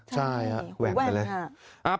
ใช่หูแหว่งไปเลยใช่หูแหว่ง